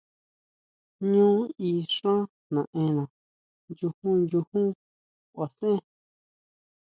Ñú í xán naʼena, nyujún, nyujún kuaʼsʼen.